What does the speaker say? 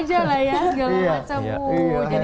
jadi itu dia